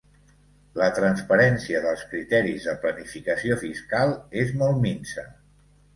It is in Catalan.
La transparència dels criteris de planificació fiscal és molt minsa.